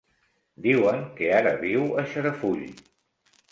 Diuen que ara viu a Xarafull.